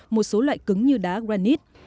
một số loại cứng như đá granite